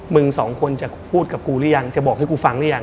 สองคนจะพูดกับกูหรือยังจะบอกให้กูฟังหรือยัง